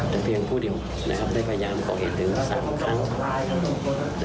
แต่เพียงผู้เดียวได้พยายามกล่องเหตุ๓ครั้ง